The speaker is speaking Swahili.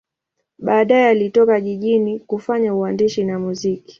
Baadaye alitoka jijini kufanya uandishi na muziki.